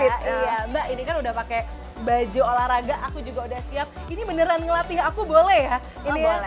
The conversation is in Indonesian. iya mbak ini kan udah pakai baju olahraga aku juga udah siap ini beneran ngelatih aku boleh ya